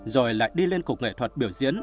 rồi lại đi lên cục nghệ thuật biểu diễn